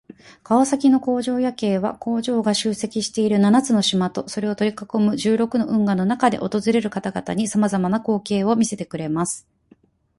川崎の工場夜景は、工場が集積している七つの島とそれを取り囲む十六の運河の中で訪れる方々に様々な光景を見せてくれます。